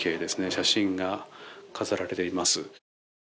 写真が飾られています。